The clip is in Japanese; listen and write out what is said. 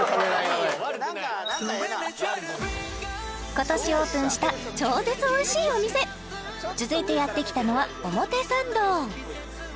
今年オープンした超絶おいしいお店続いてやってきたのは表参道